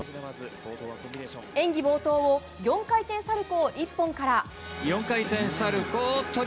演技冒頭を４回転サルコウ１本から。